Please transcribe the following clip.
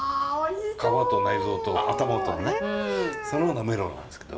皮と内臓と頭とねそのなめろうなんですけど。